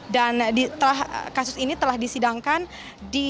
dan kasus ini telah disidangkan di